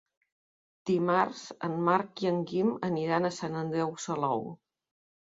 Dimarts en Marc i en Guim aniran a Sant Andreu Salou.